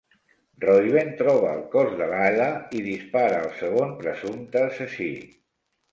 Reuben troba el cos de l'Alla i dispara el segon presumpte assassí.